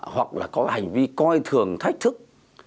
hoặc là có hành vi coi thường thách thức